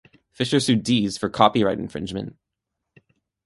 Fisher sued Dees for copyright infringement.